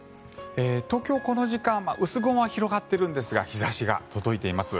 東京、この時間薄雲は広がっているんですが日差しが届いています。